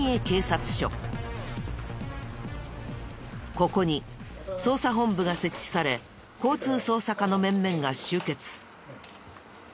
ここに捜査本部が設置され交通捜査課の面々が集結。